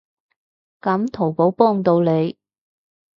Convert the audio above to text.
噉淘寶幫到你